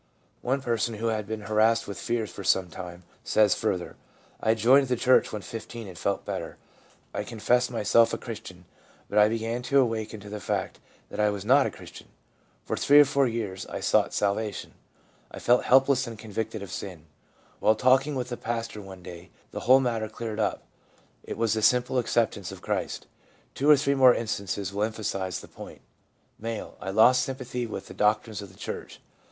One person, who had been harassed with fears for some time, says further :' I joined the church when 15, and felt better. I con fessed myself a Christian, but I began to awaken to the fact that I was not a Christian. For three or four years I sought salvation ; I felt helpless and convicted ADOLESCENCE— BIRTH OF A LARGER SELF 267 of sin. While talking with the pastor one day the whole matter cleared up. It was the simple acceptance of Christ/ Two or three more instances will emphasise the point. M. ' I lost sympathy with the doctrines of the church.